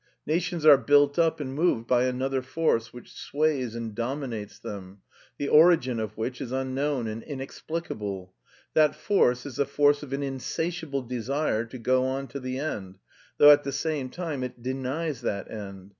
Nations are built up and moved by another force which sways and dominates them, the origin of which is unknown and inexplicable: that force is the force of an insatiable desire to go on to the end, though at the same time it denies that end.